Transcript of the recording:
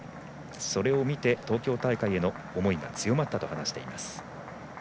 それを見て東京大会への思いが強まったと話しています。